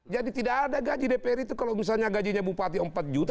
jadi tidak ada gaji dprd itu kalau misalnya gajinya bupati empat juta